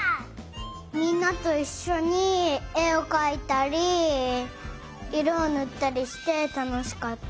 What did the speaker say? みんなといっしょにえをかいたりいろをぬったりしてたのしかった。